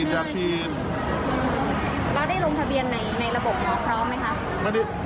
เราได้ลงทะเบียนในระบบหมอพร้อมไหมคะ